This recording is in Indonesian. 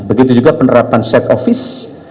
begitu juga penerapan set office